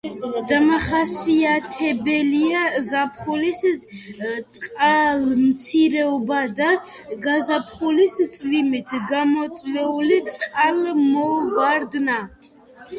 დამახასიათებელია ზაფხულის წყალმცირობა და გაზაფხულის წვიმით გამოწვეული წყალმოვარდნა.